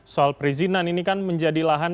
soal perizinan ini kan menjadi lahan